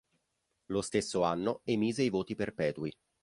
Lo stesso anno emise i voti perpetui.